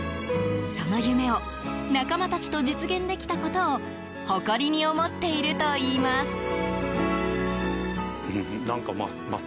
その夢を仲間たちと実現できたことを誇りに思っているといいます。